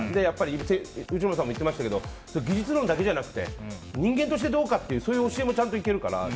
やっぱり内村さんも言ってましたけど技術論だけじゃなくて人間としてどうかというそういう教えもちゃんといけるから。